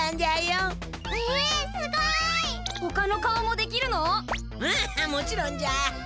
ああもちろんじゃ！